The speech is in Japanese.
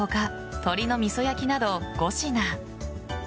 鶏の味噌焼きなど５品。